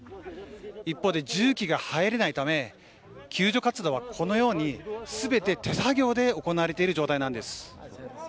一方で重機が入れないため、救助活動はこのように、すべて手作業で行われている状態なんです。